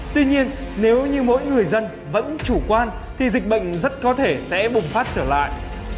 tuy nhiên nếu như mỗi người dân vẫn chủ quan thì dịch bệnh rất có thể sẽ bùng phát trở lại